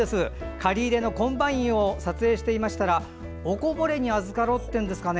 刈り入れのコンバインを撮影していましたらおこぼれにあずかろうっていうんですかね。